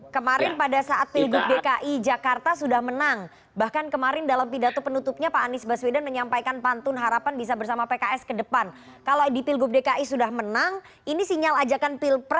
kemarin pada saat pilgub dki jakarta sudah menang bahkan kemarin dalam pidato penutupnya pak anies baswedan menyampaikan pantun harapan bisa bersama pks ke depan kalau di pilgub dki sudah menang ini sinyal ajakan pilpres